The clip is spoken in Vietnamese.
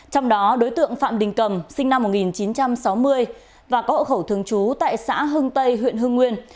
trong đó đối tượng phạm đình cầm sinh năm một nghìn chín trăm sáu mươi và có hậu khẩu thường trú tại xã hưng tây huyện hưng nguyên